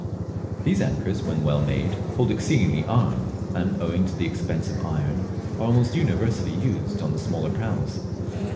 These anchors when well made, hold exceedingly arm, and, owing to the expense of iron, are still almost universally used on board the smaller praus.